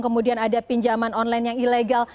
kemudian ada pinjaman online yang ilegal